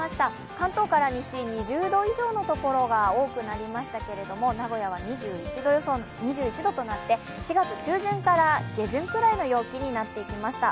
関東から西、２０度以上のところが多くなりましたけれども、名古屋は２１度となって４月中旬から下旬くらいの陽気になっていきました。